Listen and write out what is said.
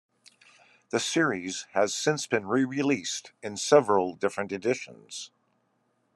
The series has since been re-released in several different editions.